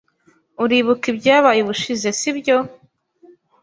Uribuka ibyabaye ubushize, sibyo?